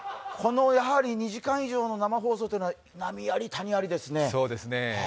２時間以上の生放送というのは波あり谷ありですね。